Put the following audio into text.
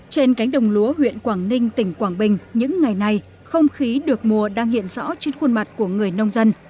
trên cánh đồng lúa huyện quảng ninh tỉnh quảng bình những ngày này không khí được mùa đang hiện rõ trên khuôn mặt của người nông dân